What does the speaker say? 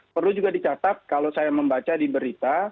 perlu juga dicatat kalau saya membaca di berita